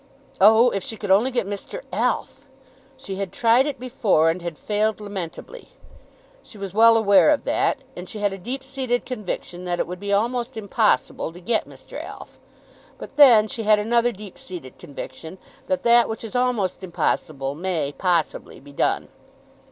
Oh, if she could only get Mr. Alf! She had tried it before, and had failed lamentably. She was well aware of that; and she had a deep seated conviction that it would be almost impossible to get Mr. Alf. But then she had another deep seated conviction, that that which is almost impossible may possibly be done.